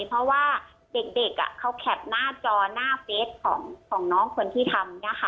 เพราะว่าเด็กอะเขาแข็บหน้าจอหน้าเฟสของน้องคนที่ทำเนี่ยค่ะ